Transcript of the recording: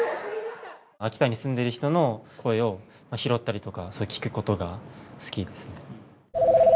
秋田に住んでる人の声を拾ったりとか聴くことが好きですね。